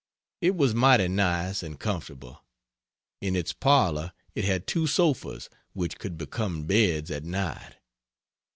It was mighty nice and comfortable. In its parlor it had two sofas, which could become beds at night.